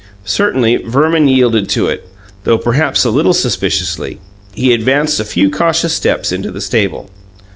Certainly Verman yielded to it, though perhaps a little suspiciously. He advanced a few cautious steps into the stable.